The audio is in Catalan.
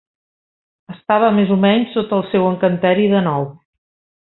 Estava més o menys sota el seu encanteri de nou.